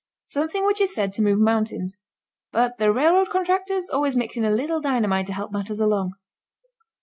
Something which is said to move mountains, but the railroad contractors always mix in a little dynamite to help matters along.